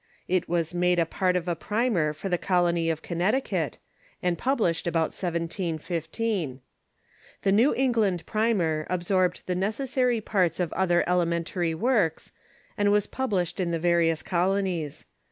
It was made a part of a primer for the colony of Connecticut, and published about 1715. The "New England Primer" absorbed the necessary parts of other elementary works, and was published in the various colonies.